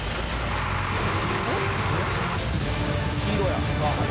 「黄色や」